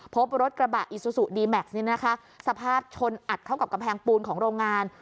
พบรถกระบะอิซูซูดีแม็กซ์สภาพชนอัดเข้ากับกำแพงปูนของโรงงาน